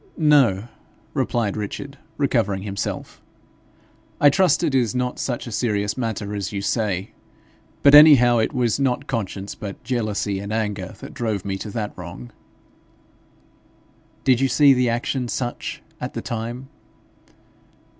'No,' replied Richard, recovering himself. 'I trust it is not such a serious matter as you say; but any how it was not conscience but jealousy and anger that drove me to that wrong.' 'Did you see the action such at the time?'